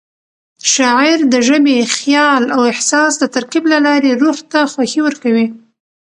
شاعري د ژبې، خیال او احساس د ترکیب له لارې روح ته خوښي ورکوي.